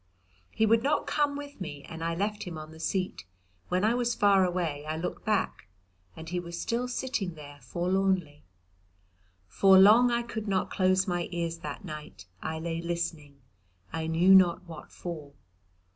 He would not come with me, and I left him on the seat; when I was far away I looked back, and he was still sitting there forlornly. For long I could not close my ears that night: I lay listening, I knew not what for.